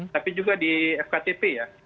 tapi juga di fktp ya